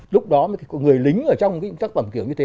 lúc đó mấy người lính ở trong những tác phẩm kiểu như thế